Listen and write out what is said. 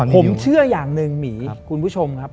ผมเชื่ออย่างหนึ่งหมีคุณผู้ชมครับ